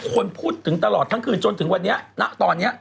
คนพูดถึงตลอดทั้งคืนจนถึงวันนี้ณตอนนี้